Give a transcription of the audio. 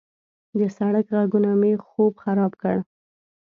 د سړک غږونه مې خوب خراب کړ.